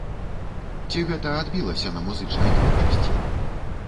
Ці гэта адбілася на музычнай творчасці?